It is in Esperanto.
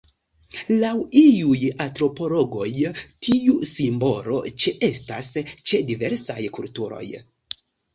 Laŭ iuj antropologoj tiu simbolo ĉeestas ĉe diversaj kulturoj.